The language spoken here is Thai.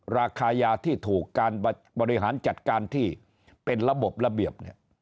ราคายาที่ถูกการบริหารจัดการที่เป็นระบบระเบียบเนี่ย